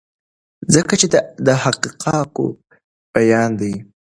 ځکه چې دا د حقایقو بیان دی.